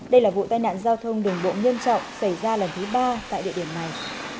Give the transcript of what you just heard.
đây là vụ tai nạn giao thông đường bộ nghiêm trọng xảy ra lần thứ ba tại địa điểm này